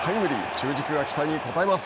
中軸が期待に応えます。